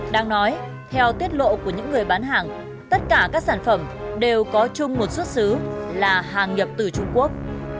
đang nói theo tiết lộ của những người bán hàng tất cả các sản phẩm đều có chung một xuất xứ là hàng nhập từ trung quốc